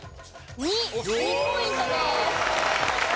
２ポイントです。